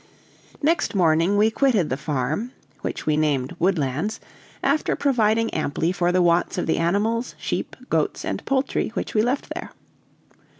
Next morning we quitted the farm (which we named Woodlands), after providing amply for the wants of the animals, sheep, goats, and poultry which we left there.